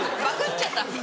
バグっちゃった。